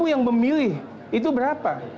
delapan puluh empat yang memilih itu berapa